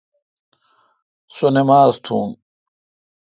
سو نماز تھون۔